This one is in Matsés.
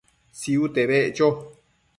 Tsiute beccho